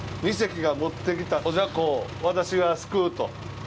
２隻が持ってきたおじゃこを私がすくうと。